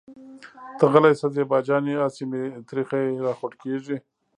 ته غلې شه زېبا جانې اسې مې تريخی راخوټکېږي.